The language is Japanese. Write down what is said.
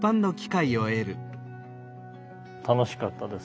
楽しかったです。